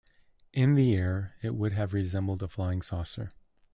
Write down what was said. In the air, it would have resembled a flying saucer.